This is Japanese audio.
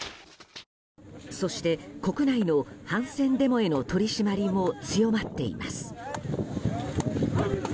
そして国内の反戦デモへの取り締まりも強まっています。